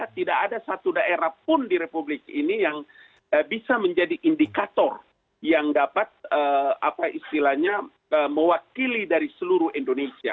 tidak ada satu daerah pun di republik ini yang bisa menjadi indikator yang dapat mewakili dari seluruh indonesia